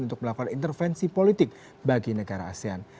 untuk melakukan intervensi politik bagi negara asean